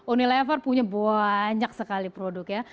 unilever punya banyak sekali produk ya